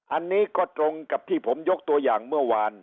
อันนี้ก็ตรงกับที่ผมยกตัวอย่างเมื่อวาน